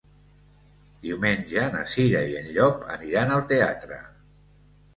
Diumenge na Cira i en Llop aniran al teatre.